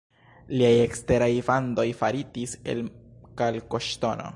Liaj eksteraj vandoj faritis el kalkoŝtono.